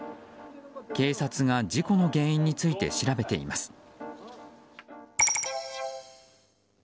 警察が事故の原因について調べています。